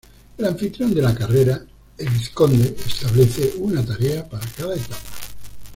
El anfitrión de la carrera, el vizconde, establece una tarea para cada etapa.